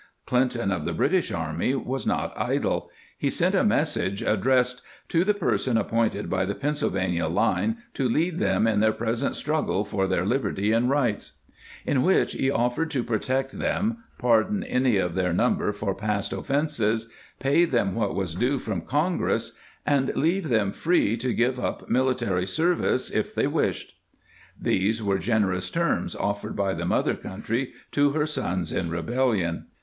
Clinton, of the British army, was not idle ; he sent a message, addressed " To the person appointed by the Pennsylvania line to lead them in their present struggle for their lib erty and rights," in which he offered to protect them, pardon any of their number for past of fences, pay them what was due from Congress, and leave them free to give up military service if they wished. These were generous terms offered by the mother country to her sons in rebel lion.